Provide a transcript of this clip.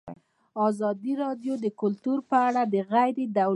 ازادي راډیو د کلتور په اړه د غیر دولتي سازمانونو رول بیان کړی.